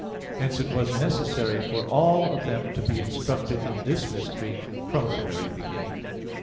Hence it was necessary for all of them to be instructed in this mystery from the very beginning.